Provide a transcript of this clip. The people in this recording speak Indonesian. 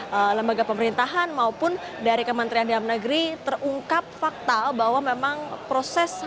jadi lembaga pemerintahan maupun dari kementerian dalam negeri terungkap fakta bahwa memang proses